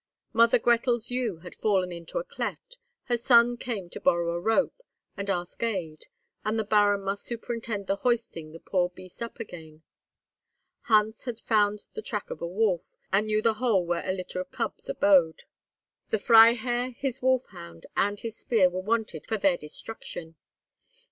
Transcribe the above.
Mother Grethel's ewe had fallen into a cleft; her son came to borrow a rope, and ask aid, and the Baron must superintend the hoisting the poor beast up again. Hans had found the track of a wolf, and knew the hole where a litter of cubs abode; the Freiherr, his wolf hound, and his spear were wanted for their destruction.